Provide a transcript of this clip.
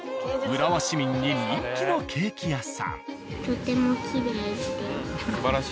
浦和市民に人気のケーキ屋さん。